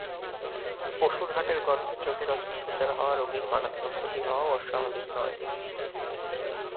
পশুর হাটের গন্ধে চোখের অস্ত্রোপচার হওয়া রোগীর মারাত্মক ক্ষতি হওয়াও অস্বাভাবিক নয়।